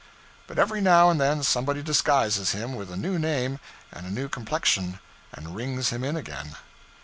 But every now and then somebody disguises him with a new name and a new complexion, and rings him in again.